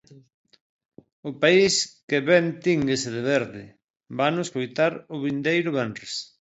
O país que vén tínguese de verde, vano escoitar o vindeiro venres.